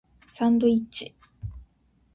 サンドイッチ